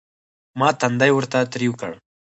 ما تندى ورته تريو کړ.